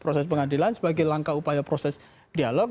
proses pengadilan sebagai langkah upaya proses dialog